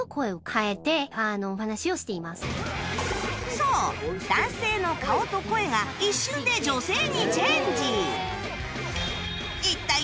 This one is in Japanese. そう男性の顔と声が一瞬で女性にチェンジ